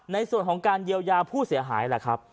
ในส่วนของการเยียวยาผู้เสียหายล่ะครับ